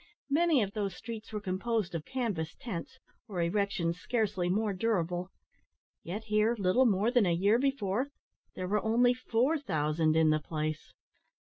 Many of those streets were composed of canvas tents, or erections scarcely more durable. Yet here, little more than a year before, there were only four thousand in the place!